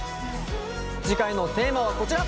次回のテーマはこちら。